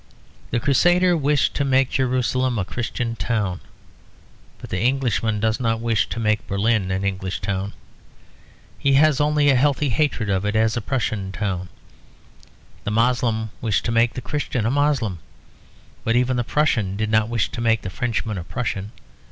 The Crusader wished to make Jerusalem a Christian town; but the Englishman does not wish to make Berlin an English town. He has only a healthy hatred of it as a Prussian town. The Moslem wished to make the Christian a Moslem; but even the Prussian did not wish to make the Frenchman a Prussian.